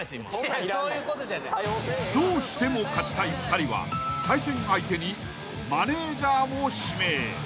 ［どうしても勝ちたい２人は対戦相手にマネジャーを指名］